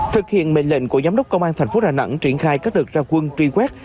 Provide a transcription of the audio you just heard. thực hiện mệnh lệnh của giám đốc công an thành phố đà nẵng triển khai các đợt ra quân truy quét